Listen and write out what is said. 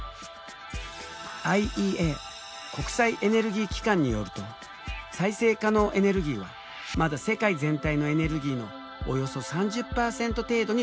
ＩＥＡ国際エネルギー機関によると再生可能エネルギーはまだ世界全体のエネルギーのおよそ３０％程度にすぎない。